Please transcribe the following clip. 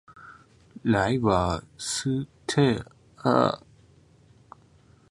莱瓦斯特尔。